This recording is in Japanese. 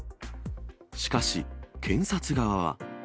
しかし、検察側は。